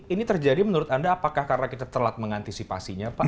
ini terjadi menurut anda apakah karena kita telat mengantisipasinya pak